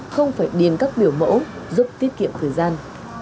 không phải điền các biểu mẫu giúp tiết kiệm thời gian